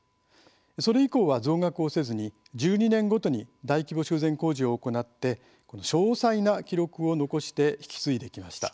それ以降は増額をせずに１２年ごとに大規模修繕工事を行って詳細な記録を残して引き継いできました。